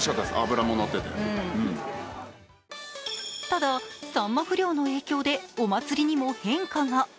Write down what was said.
ただ、さんま不漁の影響でお祭りにも変化が。